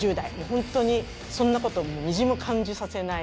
本当に、そんなことをみじんも感じさせない